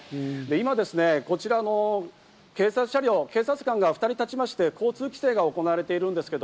今、こちらの警察車両、警察官が２人立ちまして、交通規制が行われています。